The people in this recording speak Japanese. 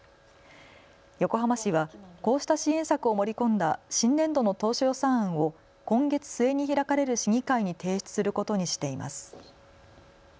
横浜市はこうした支援策を盛り込んだ新年度の当初予算案を今月末に開かれる市議会に提出することにしています。